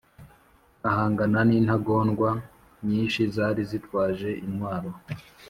ahangana n'intagondwa nyinshi zari zitwaje intwaro